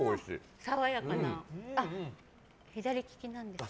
爽やかな左利きなんですね。